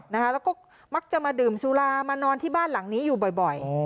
แล้วก็มักจะมาดื่มสุรามานอนที่บ้านหลังนี้อยู่บ่อย